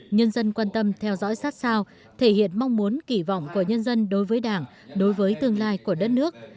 nhân dân quan tâm theo dõi sát sao thể hiện mong muốn kỳ vọng của nhân dân đối với đảng đối với tương lai của đất nước